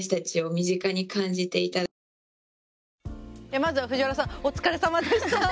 まずは、藤原さんお疲れさまでした。